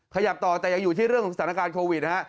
ขยับต่อแต่ยังอยู่ที่เรื่องของสถานการณ์โควิดนะฮะ